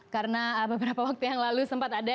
karena beberapa waktu yang lalu sempat ada